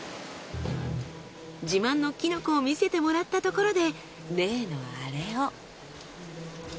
自慢のキノコを見せてもらったところで。